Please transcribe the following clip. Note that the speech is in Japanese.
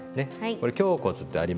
これ胸骨ってありますね